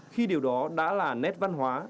khi điều đó đã là nét văn hóa